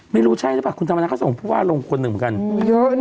ไม่รู้ใช่หรือเปล่าคุณตรรมนักข้อสมมุติประวัติโบสถ์ลงคนหนึ่งเหมือนกัน